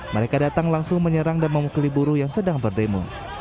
mereka datang langsung menyerang dan memukul buruh yang sedang berdemo